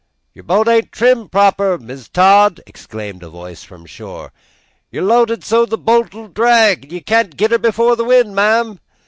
"Your bo't ain't trimmed proper, Mis' Todd!" exclaimed a voice from shore. "You're lo'ded so the bo't'll drag; you can't git her before the wind, ma'am.